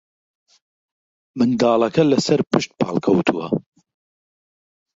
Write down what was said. منداڵەکە لەسەرپشت پاڵکەوتووە